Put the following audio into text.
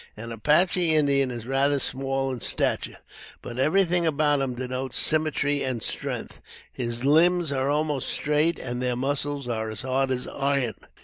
An Apache Indian is rather small in stature, but everything about him denotes symmetry and strength. His limbs are almost straight, and their muscles are as hard as iron.